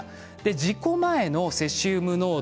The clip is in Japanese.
事故前のセシウム濃度